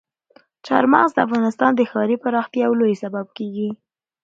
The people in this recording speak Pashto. چار مغز د افغانستان د ښاري پراختیا یو لوی سبب کېږي.